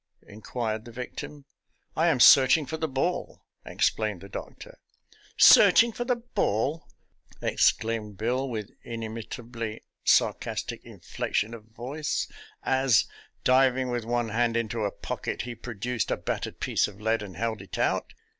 " inquired the victim. " I am searching for the ball," explained the doctor. " Searching for the ball? " exclaimed Bill with inimitably sarcastic inflection of voice, as, diving with one hand into a pocket, he produced a battered piece of lead and held it out.